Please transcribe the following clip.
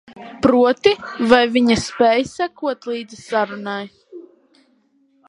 Proti, vai viņa spēj sekot līdzi sarunai?